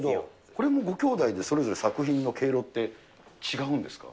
これもご兄弟でそれぞれ作品の毛色って、違うんですか？